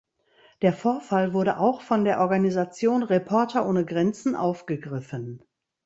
Der Vorfall wurde auch von der Organisation Reporter ohne Grenzen aufgegriffen.